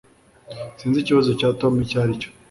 Sinzi ikibazo cya Tom icyo aricyo